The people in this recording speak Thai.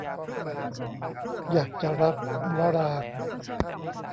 อยากจะรัก - วรางค์